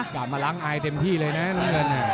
กลับมาล้างอายเต็มที่เลยนะน้ำเงิน